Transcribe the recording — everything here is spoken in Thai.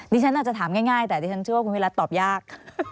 ฉันอาจจะถามง่ายแต่ดิฉันเชื่อว่าคุณวิรัติตอบยาก